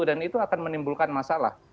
itu akan menimbulkan masalah